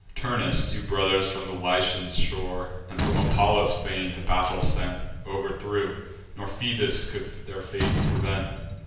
Turnus two brothers from the Lycian shore, And from Apollo's fane to battle sent, O'erthrew; nor Phoebus could their fate prevent.